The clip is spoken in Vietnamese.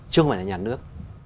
chứ không phải là nhà nước